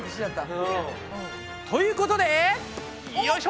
ということでよいしょ！